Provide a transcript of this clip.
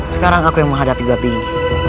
sekarang aku yang menghadapi babi ini